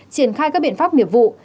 triển khai các biện pháp nghiệp vụ